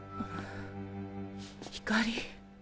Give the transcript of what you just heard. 光。